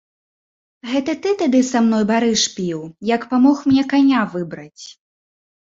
Гэта ты тады са мною барыш піў, як памог мне каня выбраць.